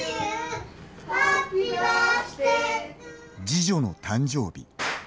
次女の誕生日。